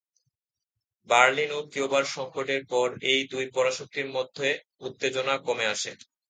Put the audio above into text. Berlin ও কিউবার সংকটের পর এই দুই পরাশক্তির মধ্যে উত্তেজনা কমে আসে।